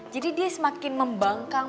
jadi dia semakin membangkang